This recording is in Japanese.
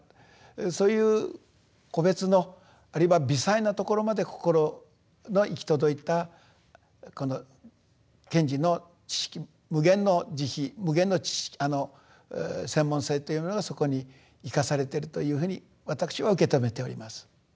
そういう個別のあるいは微細なところまで心の行き届いたこの賢治の知識無限の慈悲無限の専門性というものがそこに生かされてるというふうに私は受け止めております。